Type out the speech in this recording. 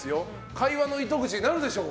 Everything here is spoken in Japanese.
会話の糸口になるでしょう